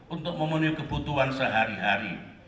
untuk memenuhi kebutuhan sehari hari